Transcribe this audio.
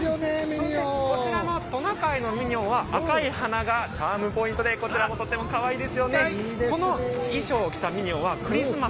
◆トナカイのミニオンは赤い鼻がチャームポイントで、こちらもとってもかわいいですよね。